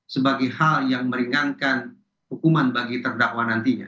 sebagai hal yang meringankan hukuman bagi terdakwa nantinya